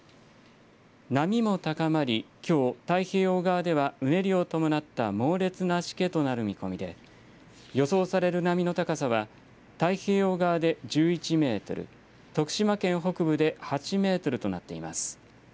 波も高まり、きょう太平洋側ではうねりを伴った猛烈なしけとなる見込みで、予想される波の高さは、太平洋側で１１メートル、徳島県北部で８メートルとなっています。